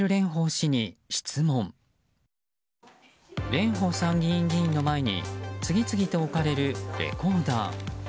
蓮舫参議院議員の前に次々と置かれるレコーダー。